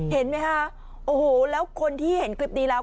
เห็นไหมคะโอ้โหแล้วคนที่เห็นคลิปนี้แล้ว